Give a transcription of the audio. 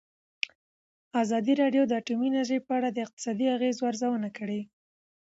ازادي راډیو د اټومي انرژي په اړه د اقتصادي اغېزو ارزونه کړې.